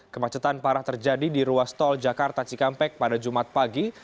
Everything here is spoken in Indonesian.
kemacetan parah terjadi di ruas tol jakarta cikampek pada jumat pagi